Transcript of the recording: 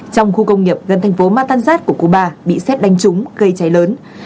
trong khu công nghiệp gần thành phố matanzat của cuba bị xét đánh trúng gây cháy lớn